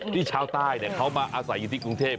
ชาวใต้เขามาอาศัยอยู่ที่กรุงเทพ